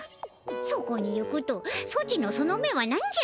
そこに行くとソチのその目はなんじゃ？